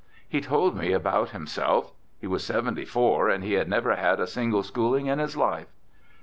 He told me about himself. He was seventy four and he had never had "a single schooling" in his life.